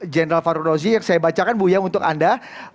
general farouk rozzi yang saya bacakan bu yaya untuk anda